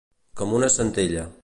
Com una centella.